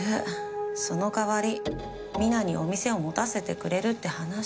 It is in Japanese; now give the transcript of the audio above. その代わり未奈にお店を持たせてくれるって話。